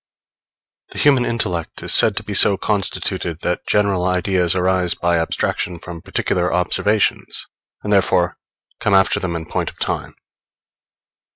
The human intellect is said to be so constituted that general ideas arise by abstraction from particular observations, and therefore come after them in point of time.